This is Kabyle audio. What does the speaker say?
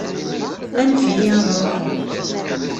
Anef-iyi ad ṛuḥeɣ.